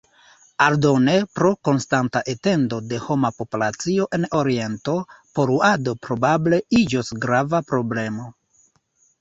Aldone, pro konstanta etendo de homa populacio en Oriento, poluado probable iĝos grava problemo.